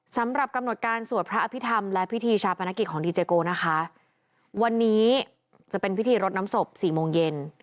สำหรับกำหนดการสวดพระอภิษฐรรมและพิธีชาปนกิจของดีเจโกนะคะวันนี้จะเป็นพิธีรดน้ำศพสี่โมงเย็น